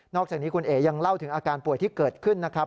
อกจากนี้คุณเอ๋ยังเล่าถึงอาการป่วยที่เกิดขึ้นนะครับ